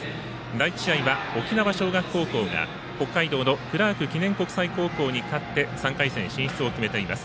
第１試合は沖縄尚学高校が北海道のクラーク記念国際高校に勝って３回戦進出を決めています。